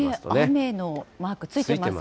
雨のマークついてますけど。